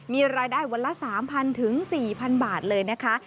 มีรายได้วันละ๓๐๐ถึง๔๐๐บาทเลยนะคะ